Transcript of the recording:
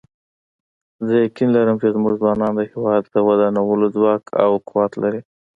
زه یقین لرم چې زموږ ځوانان د هیواد د ودانولو ځواک او قوت لري